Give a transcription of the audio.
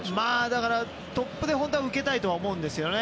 だから、トップで本当は受けたいと思うんですよね。